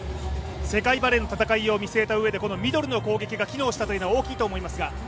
世界バレーの戦いを見据えたうえでミドルが効いたというのは大きいですが？